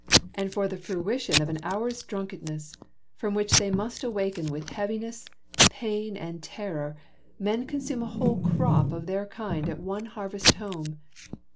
and for the fruition of an hour's drunkenness, from which they must awaken with heaviness, pain, and terror, men consume a whole crop of their kind at one harvest home.